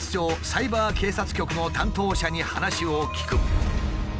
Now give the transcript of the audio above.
サイバー警察局の担当者に話を聞く。